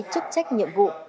chức trách nhiệm vụ